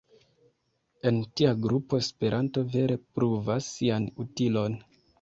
En tia grupo Esperanto vere pruvas sian utilon.